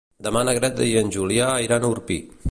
Demà na Greta i en Julià iran a Orpí.